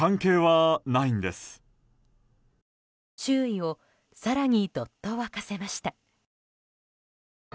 周囲を更にどっと沸かせました。